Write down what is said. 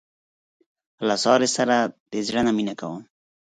له سارې سره د زړه نه مینه کوم.